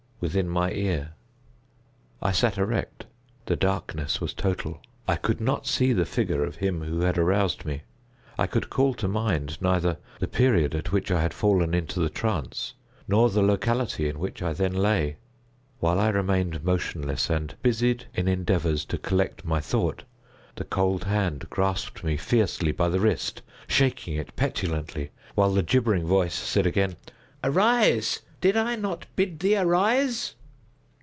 within my ear. I sat erect. The darkness was total. I could not see the figure of him who had aroused me. I could call to mind neither the period at which I had fallen into the trance, nor the locality in which I then lay. While I remained motionless, and busied in endeavors to collect my thought, the cold hand grasped me fiercely by the wrist, shaking it petulantly, while the gibbering voice said again: "Arise! did I not bid thee arise?"